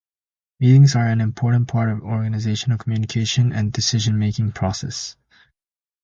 Meetings are an important part of organizational communication and decision-making processes.